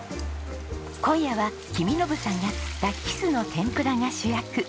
今夜は公伸さんが釣ったキスの天ぷらが主役。